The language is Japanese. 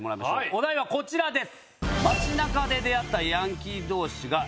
お題はこちらです。